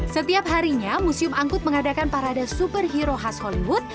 setiap harinya museum angkut mengadakan parade superhero khas hollywood